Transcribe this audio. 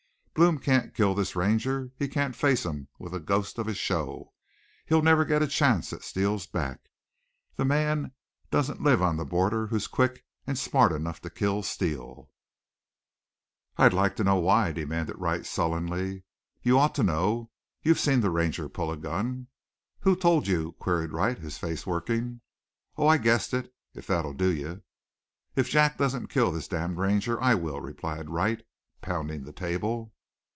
"Blome can't kill this Ranger. He can't face him with a ghost of a show he'll never get a chance at Steele's back. The man don't live on this border who's quick and smart enough to kill Steele." "I'd like to know why?" demanded Wright sullenly. "You ought to know. You've seen the Ranger pull a gun." "Who told you?" queried Wright, his face working. "Oh, I guessed it, if that'll do you." "If Jack doesn't kill this damned Ranger I will," replied Wright, pounding the table.